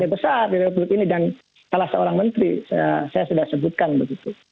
satu besar dari publik ini dan salah seorang menteri saya sudah sebutkan begitu